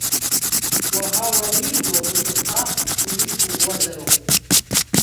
Уаӷа уанижәло, уҭынха уиқәгәыӷуазароуп.